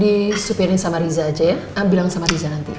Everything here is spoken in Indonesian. di supirin sama riza aja ya bilang sama riza nanti